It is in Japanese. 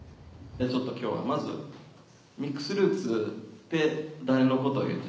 今日はまずミックスルーツって誰のことを言ってるのか